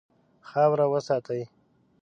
خاوره وساتئ.